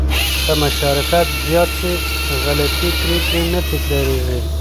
که مشارکت زیات شي، غلطې پرېکړې نه تکرارېږي.